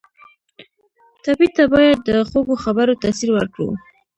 ټپي ته باید د خوږو خبرو تاثیر ورکړو.